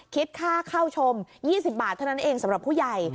คิดค่าเข้าชม๒๐บาทเท่านั้นเองสำหรับผู้ใหญ่